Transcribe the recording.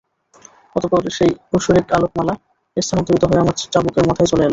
অতঃপর সেই ঐশ্বরিক আলোকমালা স্থানান্তরিত হয়ে আমার চাবুকের মাথায় চলে এল।